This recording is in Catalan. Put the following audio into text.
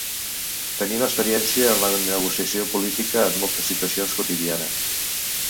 Tenim experiència en la negociació política en moltes situacions quotidianes.